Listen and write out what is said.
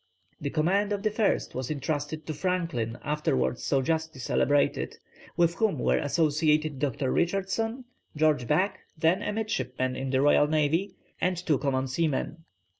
The command of the first was entrusted to Franklin afterwards so justly celebrated, with whom were associated Dr. Richardson, George Back, then a midshipman in the royal navy, and two common seamen.